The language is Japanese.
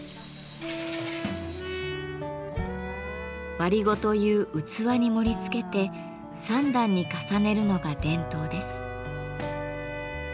「割子」という器に盛りつけて３段に重ねるのが伝統です。